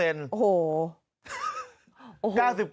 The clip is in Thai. โอ้โห